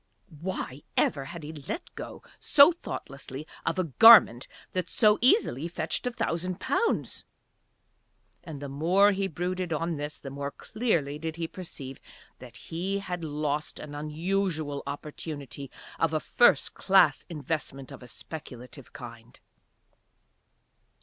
Why ever had he let go so thoughtlessly of a garment that so easily fetched a thousand pounds? And the more he brooded on this the more clearly did he perceive that he had lost an unusual opportunity of a first class investment of a speculative kind.